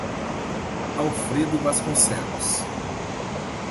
Alfredo Vasconcelos